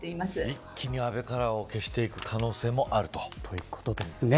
一気に安倍カラーを消していく可能性もあるということですね。